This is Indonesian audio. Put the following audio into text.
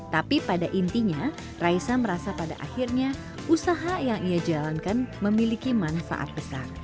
tapi pada intinya raisa merasa pada akhirnya usaha yang ia jalankan memiliki manfaat besar